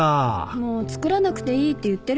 もう作らなくていいって言ってるんですけどね。